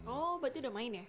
oh berarti udah main ya